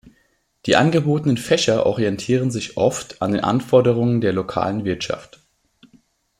Die angebotenen Fächer orientieren sich oft an den Anforderungen der lokalen Wirtschaft.